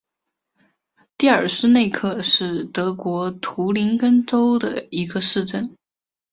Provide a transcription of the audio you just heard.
蒂尔施内克是德国图林根州的一个市镇。